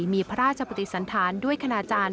มีพระราชประติศัณฐานด้วยคณาจารย์